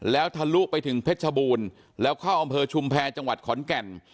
แล้วทะลุไปถึงเพชรชบูรณ์แล้วเข้าอำเภอชุมแพรจังหวัดขอนแก่น